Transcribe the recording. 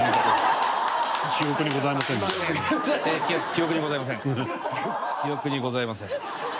「記憶にございません」。